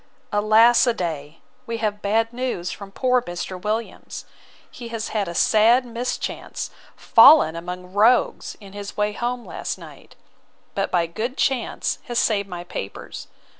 Alas a day! we have bad news from poor Mr. Williams. He has had a sad mischance; fallen among rogues in his way home last night: but by good chance has saved my papers.